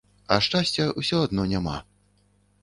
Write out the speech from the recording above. А шчасця ўсё адно няма.